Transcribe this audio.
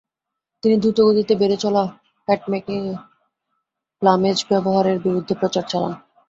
তিনি দ্রুত গতিতে বেড়ে চলা হ্যাটমেকিংয়ে প্লামেজ ব্যবহারের বিরুদ্ধে প্রচার চালান।